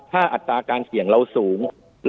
ถ้าอัตราการเสี่ยงเราสูง